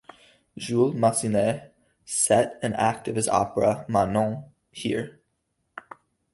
Jules Massenet set an act of his opera "Manon" here.